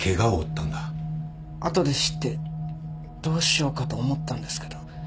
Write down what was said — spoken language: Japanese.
後で知ってどうしようかと思ったんですけど。